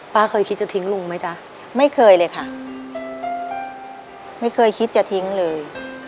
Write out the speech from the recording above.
เคยคิดจะทิ้งลุงไหมจ๊ะไม่เคยเลยค่ะไม่เคยคิดจะทิ้งเลย